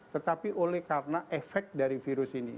tetapi oleh karena efek dari virus ini